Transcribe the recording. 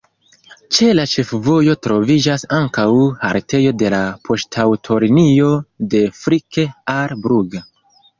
Ĉe la ĉefvojo troviĝas ankaŭ haltejo de la poŝtaŭtolinio de Frick al Brugg.